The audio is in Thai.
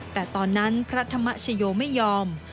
แต่ตอนนั้นพระธรรมชโยไม่ยอม